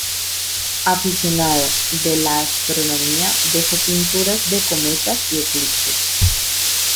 Aficionado de la astronomía, dejó pinturas de cometas y eclipses.